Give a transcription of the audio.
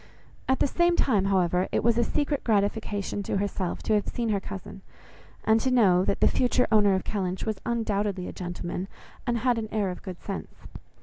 At the same time, however, it was a secret gratification to herself to have seen her cousin, and to know that the future owner of Kellynch was undoubtedly a gentleman, and had an air of good sense.